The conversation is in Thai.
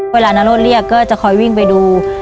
เวลานารถเรียกก็จะคอยวิ่งไปดู